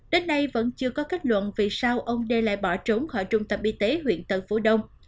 đến nay vẫn chưa có kết luận vì sao ông đê lại bỏ trốn khỏi trung tâm y tế huyện tân phú đông